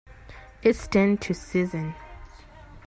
It stands to reason.